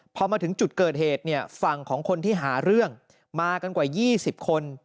พอมาถึงจุดเกิดเหตุเนี่ยฝั่งของคนที่หาเรื่องมากันกว่า๒๐คน